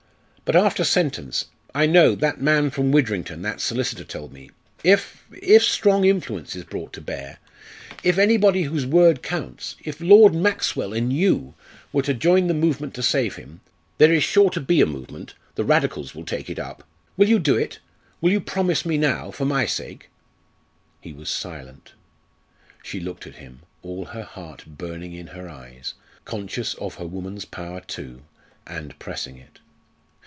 But, after sentence I know that man from Widrington, that solicitor told me if if strong influence is brought to bear if anybody whose word counts if Lord Maxwell and you, were to join the movement to save him There is sure to be a movement the Radicals will take it up. Will you do it will you promise me now for my sake?" He was silent. She looked at him, all her heart burning in her eyes, conscious of her woman's power too, and pressing it.